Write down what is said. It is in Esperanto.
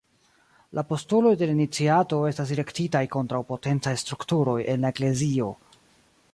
La postuloj de la iniciato estas direktitaj kontraŭ potencaj strukturoj en la eklezio.